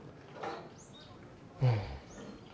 うん。